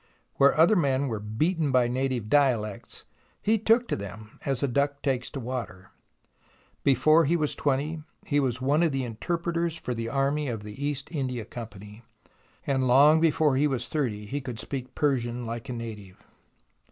Where other men were beaten by native dialects, he took to them as a duck takes to water. Before he was twenty, he was one of the interpreters for the army of the East India 108 THE ROMANCE OF EXCAVATION Company, and long before he was thirty he could speak Persian like a native.